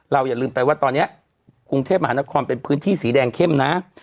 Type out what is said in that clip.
อย่าลืมไปว่าตอนนี้กรุงเทพมหานครเป็นพื้นที่สีแดงเข้มนะ